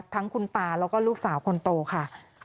ทั้งคุณตาแล้วก็ลูกสาวคนโตค่ะ